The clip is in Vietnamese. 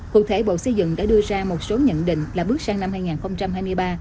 cụ thể bộ xây dựng đã đưa ra một số nhận định là bước sang năm hai nghìn hai mươi ba